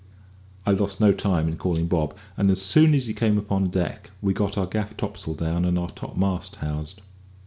I lost no time in calling Bob, and as soon as he came upon deck we got our gaff topsail down and our topmast housed.